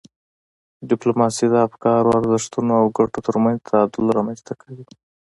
ډیپلوماسي د افکارو، ارزښتونو او ګټو ترمنځ تعادل رامنځته کوي.